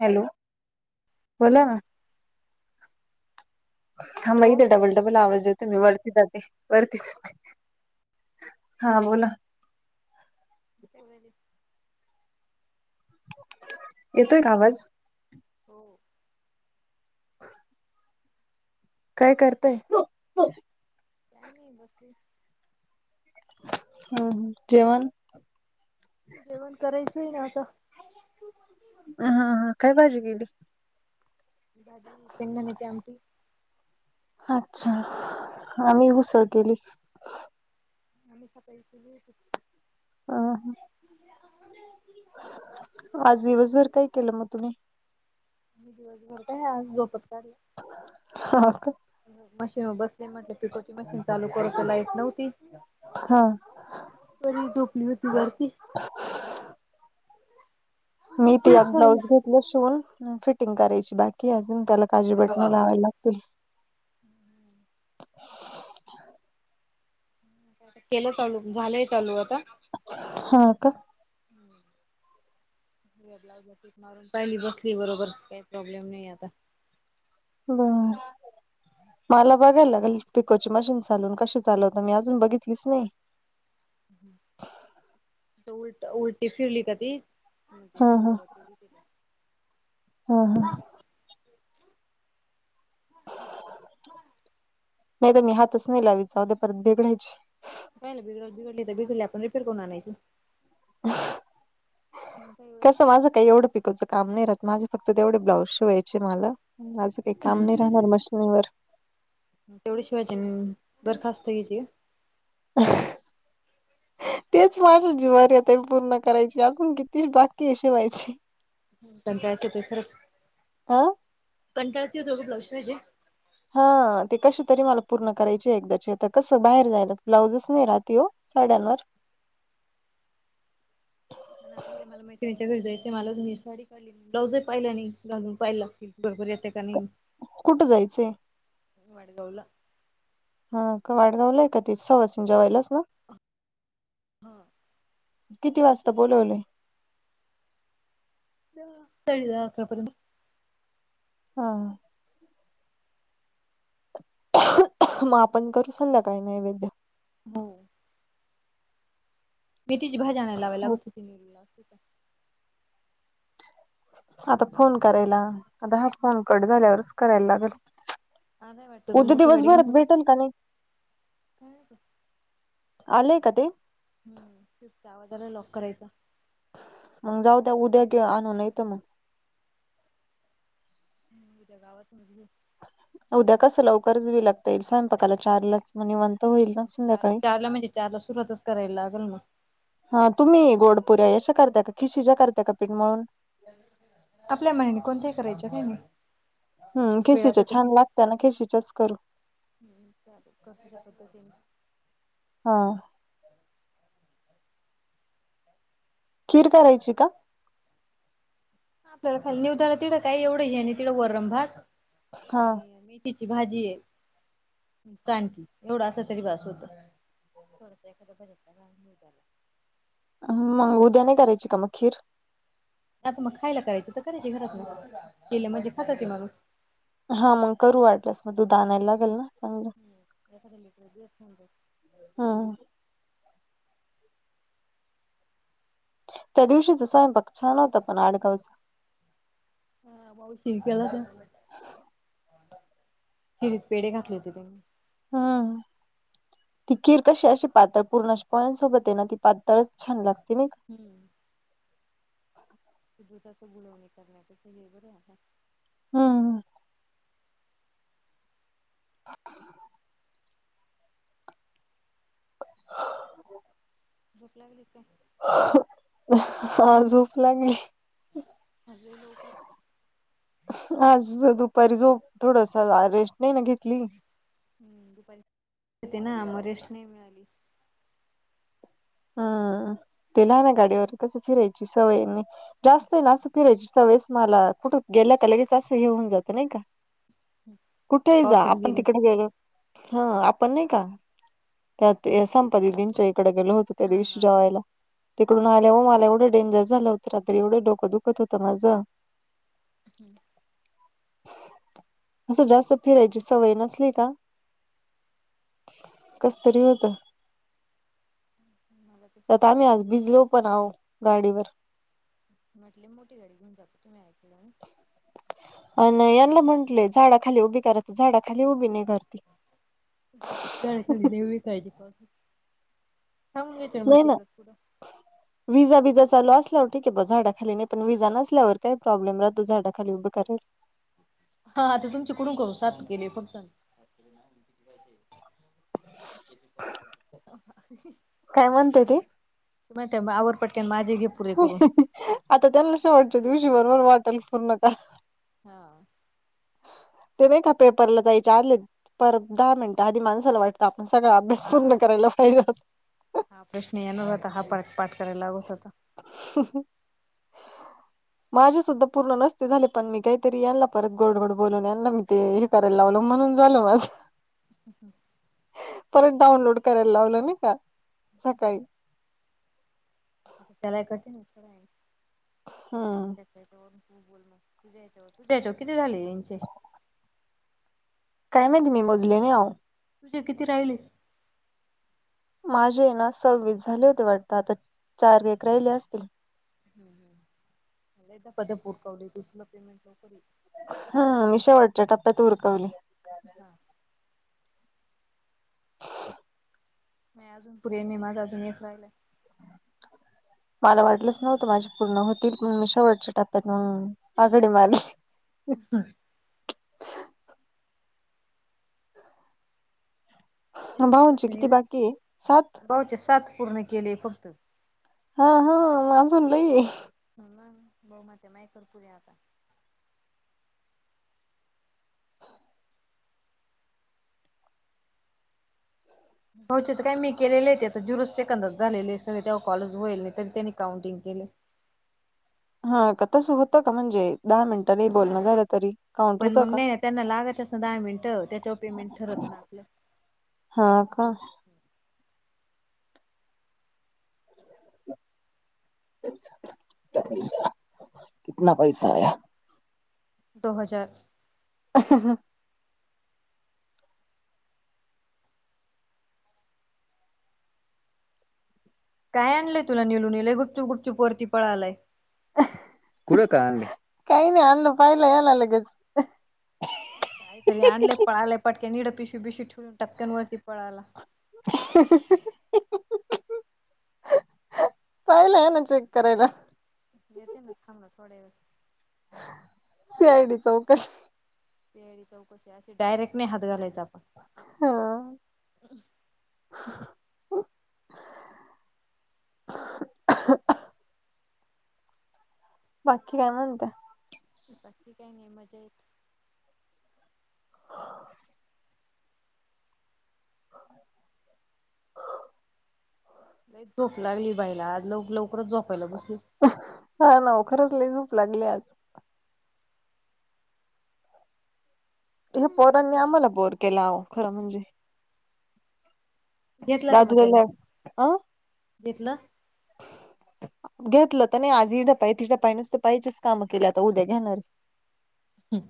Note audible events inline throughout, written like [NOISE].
Hello बोला hello ना [UNINTELLIGIBLE] थांबा हॅलो ते डबल [UNINTELLIGIBLE] मला आवाज येत नाही वरती जाते वरतीे हा बोला [UNINTELLIGIBLE] तेज [UNINTELLIGIBLE] येतोय का आवाज [UNINTELLIGIBLE] हो [UNINTELLIGIBLE] काय करताय [UNINTELLIGIBLE] काय नाही बसली [UNINTELLIGIBLE] हम्म जेवण [UNINTELLIGIBLE] जेवण करायचंय ना आता [UNINTELLIGIBLE] आईला बोलती [UNINTELLIGIBLE] अमम काय भाजी केली [UNINTELLIGIBLE] भाजी शेंगदाण्याची आमटी [UNINTELLIGIBLE] अच्छा आम्ही हुसळ केली [UNINTELLIGIBLE] आम्ही सफयी केली येतो [UNINTELLIGIBLE] ह ह [UNINTELLIGIBLE] आज दिवसभर काय केलं मग तुम्ही [UNINTELLIGIBLE] मी दिवसभर का आज झोपच काढली [UNINTELLIGIBLE] हा का [UNINTELLIGIBLE] मशीनवर बसले म्हटले पिकोची मशीन चालू करराय लाईट नव्हती [UNINTELLIGIBLE] हा [UNINTELLIGIBLE] [UNINTELLIGIBLE] परी झोपली होती वर ती [UNINTELLIGIBLE] [UNINTELLIGIBLE] [UNINTELLIGIBLE] मी ते ब्लाऊज घेते [UNINTELLIGIBLE] झाल शिवून फिटिंग करायची बाकी हे अजून त्याला काजू बटण लावायला लागतील [UNINTELLIGIBLE] [UNINTELLIGIBLE] केलं चालू झालंय चालू आता [UNINTELLIGIBLE] हा का [UNINTELLIGIBLE] ब्लाउज वर टिप मारून पाहिली बसली बरोबर काही प्रॉब्लेम नाही आता बर मला बघायला लागेल पिकोची मशीन चालून कशी चालवत मी अजून बघितलीच नाही उलट उलटी फिरली का ती हा हा [UNINTELLIGIBLE] हा हा नाही तर मी हातच नाही लावीत परत बिक्घडायची काहिला बिघड बिडली तर बिघडली आपण रिेअर करून आणयचं मग काय तसे एवढं माझं काही एवढं पिकोच काम नाही राहत माझे फक्त तेवढे ब्लाउज शिवायचे मला माझं काही काम नाही राहणार मशीनीवर तेवढ्या शिवायची बरखास्त घ्याची [UNINTELLIGIBLE] तेच माझ्या जीवारता पूर्ण करायची अजून किती बाकी शिवायची कंटाळच ते खरंच हा कंटाळचे खरेच हा ते कसे तरी मला पूर्ण करायचे एकदाचीता कसं बाहेर जायला ब्लाउजस नाही राहते हो साड्यांवर मला माहिच्या घर जायचेमला साडी का ब्लाऊजही पाहिलं नाही घालून पाहिला क बरोबर येते का नाही कुठं जायचं मडगवला [UNINTELLIGIBLE] हां किती वाजता बोलवले तरी दहा अकरा पयत ह मग आपण करू सध्याकाळी नाही वैद्य हो मैथी ती भाजी लावावे लागत त आता फोन करायला आणाय आता हा फोन कड झाल्यावरच करायला लागेल आणाय वाटतं गं उद्या मोठी गाडी घेऊन दिवसभरात आली भेटेल का नाही काय माहिती आले का ते हम्म फ आवाजला लॉक करायचा मग जाऊ उद्या घेऊ आणून आला. मग [UNINTELLIGIBLE] उद्या कसं लवकरच ववी लागता येईल स्वयंपाकाला चार लच म्हणे चार चार ला म्हणजे चार ला सुरुवातच करायला लागेल मग हा तुम्ही गोडपुऱ्या अशा करता्या का खिशीच्याा करता्या का पीठ म्हणून आपल्या मनाने कोणत्याही करायच काय नाही हम् वेळ अस खेशीच्या तर छान तिची लागत ना खेशीच्याच करू [UNINTELLIGIBLE] हा खीर करायची का आपल्याला खाली न उदााला तिडं काही एवढं आहे आणि तिडं वरम भात हा आणिी िची भाजी आहे च आणख एवढा अस तरी बास होत ज झालं मग उद्या नाही करायची का मग खीर आता मग खायला करायच तर करायचे घरात ना केले म्हणजे खाताचे माणूस हा मग करू वाढल्यास मग तू दुध नायला लागेल ना चांगलं [UNINTELLIGIBLE] हा. त्या दिवशीच स्वयं पक्ष छानवतं पण आडगावच. हा भाऊ शिरक्याला खिरी पेढे घातले होते त्यांनी हम्. ती कीर कशी अशी पातळ पूर्ण पोळ्यांसोबत आहे ना ती पातळच छान लागते ना. हम्म. सु दुध त बुलावणी करण्याच हे बर आता. हम्. झोप लागली का. आा झोप लागली. असजले लोक. आज दुपारी जो थोडस रेस्ट नाही ना घेतली. हम्म दुपारी येते ना आम्हा रेस्ट नाही मिळाली. हम्म ते लहान गाडीवर कस फिरायची सवयंनी जास्त आहे ना असं फिरायच स वळेस मला कुठे गेल्या का लगेच असं हे होऊन जातं नाही का. कुठेही जा पावसात आपण गेले. तिकडे गेलो. हा आपण नाही का त्यात संपती दिनच्या इकडे गेलो होतो त्या हा दिवशी हा जेवायला. तिकडून आलं हो मला एवढं डेंजर झालं होतं रात्री एवढं डोकं दुखत होतं माझं. [INAUDIBLE] हम्म. असं जास्त फिरायची सवय नसली का. कसतरी होतं. मला. तसच आता होत आम्ही आज कधी भिजलो पण आहो गाडीवर. म्हटले मोठी गाडी घेऊन जातो तुम्ही ऐकलंून. अ यांना म्हटलेय झाडाखाली उभी करायते झाडाखाली उभी नाही करते. खली कायज पाजून थांबून घ्यायच्या मग नाही ना तिकडे पुडं विजा विजा चाल असल्यावर ठीके ब झाडाखाली नाही पण विजा नसल्यावर काय प्रॉब्लेम राहो झाडा खाली उभ कर. हा ते तुमचे कुडून करू सात केले फक्त काय म्हणते ती. तुम तेववर पटकन माझी ग आता त्यांना श वाटत दिवशी भरोबर वाटेल पूर्ण का. हा. ते नाही का पेपरला जायचारले पर दहा मिनटं आधी माणसाला वाटत. आपण सगळा अभ्यास हा पूर्ण करायला पाहिजे होत. हा प्रश्न येन होता हा प पाठ करायला लागत होता. [UNINTELLIGIBLE] माझे सुद्धा पूर्ण नसते झाले पण मी काहीतरी यांना परत गोडगोड बोलून यांना मी ते करायला लावल म्हणून झाल मज [INAUDIBLE] परत डाऊनलोड करायला लावलं ना का सकाळी. आता त्यालाय कते ना. हा. तू बोल मग तुझ्या याच्या तुझ्या याच्य किती झा [UNINTELLIGIBLE] कायमे त मी मजले आ. तुझे किती राहिलेस. माझे ना सव्वीस झाले होते वाटत आता चार व राहिले असतील. ह मलादा कध पुरकावले तुसला पेमेंट नक हा विषय वाटच्या टप्यात उरकवले. हा. [INAUDIBLE] मी अजून पुढेने माझं अजून एक राहिलाय. मला वाटलंच नव्हतं माझे पूर्ण होतील पण मी शेवटच्या टप्प्यात मंग आघडी मारली. [UNINTELLIGIBLE] मं बाऊंची किती बाकीये सात? बाऊचे साथ पूर्ण केले फक्त. हा हा म अजून लई ये. हो ना, बहुमते माय करकुले आता. बाऊचेच काय मी केलेले ते आता जिरोच सेकंदच झालेले सगळे तेव्हा कॉलेज वईल नाही तरी त्यांनी काउंटिंग केल. हा का तसं होतं का म्हणजे दहा मिनिटांनी बोलणं झालं तरी. काउंट पण होतं मग का नाही ना त्यांना लागतसं दहा मिनटं त्याच्यावर पेमेंट ठरवतं ना आपलं. हा का. पैसा, कितना पैसा आया? दो हजार. [UNINTELLIGIBLE] काय आणलंय तुला निलू निले गुपचू गुपचूप वरती पळालाय? कुरं काय आणलं, काही नाही आणलं पाहिला याला लगेच. काहीतरी आणले पळाले पटक्यान इड पिशू बिशी ठेवून टपक्यान वरती पळाला. [UNINTELLIGIBLE] [UNINTELLIGIBLE] पाहिला याना चेक करायला. येत ना थांब ना थोड्यावेळात. सी आय डी चौकशी. सी आय डी चौकशी अशी डायरेक्ट नाही हात घालायचा आपण. हा [UNINTELLIGIBLE] [UNINTELLIGIBLE] बाकी काय म्हणता? बाकी काय नाही मजा येते. [INAUDIBLE] लईच झोप लागली बाईला आज लव लवकरच झोपायला बसलीस. हा नवखरच लइ झोप लागली आज. ह्या पोरांनी आम्हाला बोर केलं आवो खरं म्हणजे. घेतला का मग त्याला दादूला अ घेतलं? घेतलं तनी आजीड पाय तीट पाय नुसतं पाहिजेच काम केल आता उद्या घेणार. हम्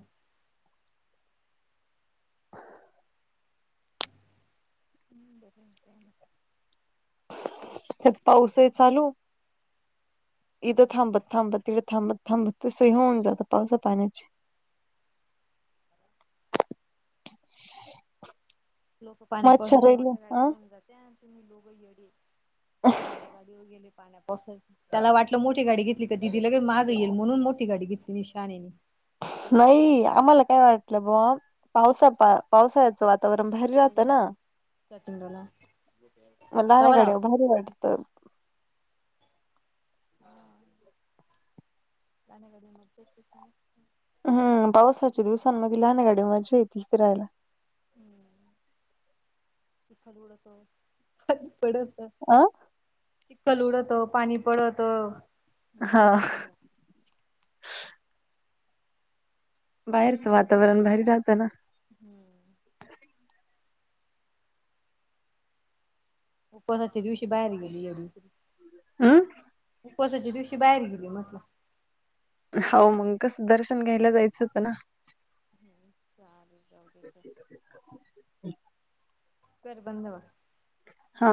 हम्म बघू त्याना. ह्यात पाऊस ही चालू. इथं थांबत थांबत तथं थांबत थांबत तसं होऊन जातं पावसा पाण्याची. [INAUDIBLE] लोक पाण्या मच्छर पावसाची राहिले मोठ्या गाड्या अ घेऊन जात्या अन तुम्ही लोगं येडी. छोट्या गाडीव गेले पाण्या पावसा त्याला वाटलं मोठी गाडी घेतली. दिदी लग मागं येईल म्हणून मोठी गाडी घेतली निशाने. नाही आम्हाला काय वाटलं बा पावसा पा पावसाळ्याचं वातावरण भारी राहतं ना. म [UNINTELLIGIBLE] लावा गाडीवर लावा भारी वाटतं. हा. गाण्या गाडीवर मजा येती तवा. हम्म पावसाच्या दिवसांमध्ये लहान गाडी मजा येते फिरायला. हम्म चिखल उडतो [UNINTELLIGIBLE] पडतं. [UNINTELLIGIBLE] चितकल उडवतो पाणी पडवत मज हा बाहेरचं वातावरण भारी राहतं ना. हम्म. कोसाच्या दिवशी बाहेर गेली या दुसरी. [INAUDIBLE] वसाच्या दिवशी बाहेर गेली म्हट हो मंगकस दर्शन घ्यायला जायचं होतं ना. हम् चाले जाऊ दे तर. हो. कर बधवा. हा.